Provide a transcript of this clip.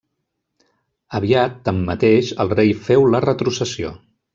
Aviat, tanmateix, el rei féu la retrocessió.